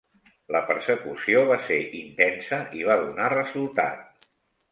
La persecució va ser intensa i va donar resultat.